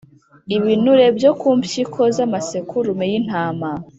ibinure byo ku mpsyiko z amasekurume y intama